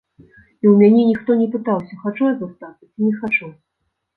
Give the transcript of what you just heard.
І ў мяне ніхто не пытаўся, хачу я застацца ці не хачу.